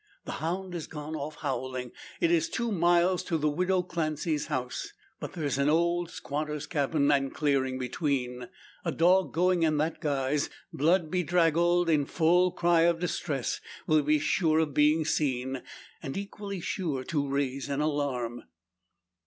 The hound has gone off howling. It is two miles to the widow Clancy's house; but there is an odd squatter's cabin and clearing between. A dog going in that guise, blood bedraggled, in full cry of distress, will be sure of being seen equally sure to raise an alarm.